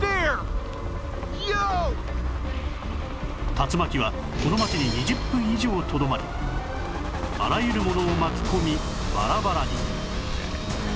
竜巻はこの街に２０分以上とどまりあらゆるものを巻き込みバラバラに